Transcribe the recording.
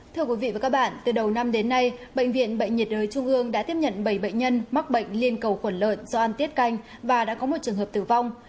thưa quý vị và các bạn từ đầu năm đến nay bệnh viện bệnh nhiệt đới trung ương đã tiếp nhận bảy bệnh nhân mắc bệnh liên cầu khuẩn lợn do ăn tiết canh và đã có một trường hợp tử vong